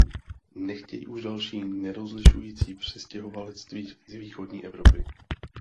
Nechtějí už další nerozlišující přistěhovalectví z východní Evropy.